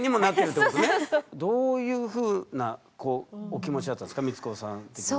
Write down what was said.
どういうふうなお気持ちだったんですか光子さん的には。